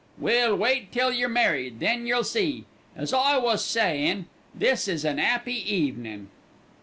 "Well, wait till you're married, then yer'll see. As I was sayin', this is an 'appy evenin'.